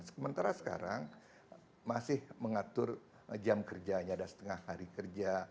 sementara sekarang masih mengatur jam kerjanya ada setengah hari kerja